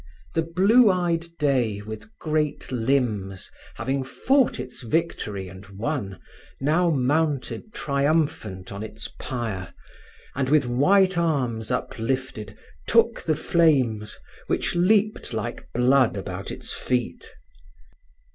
The blue eyed day, with great limbs, having fought its victory and won, now mounted triumphant on its pyre, and with white arms uplifted took the flames, which leaped like blood about its feet.